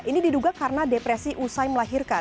ini diduga karena depresi usai melahirkan